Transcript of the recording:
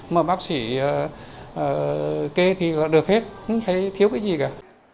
mà bác sĩ kê thì là được hết không thấy thiếu cái gì cả